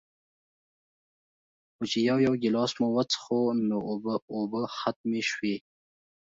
خو چې يو يو ګلاس مو وڅښو نو اوبۀ ختمې شوې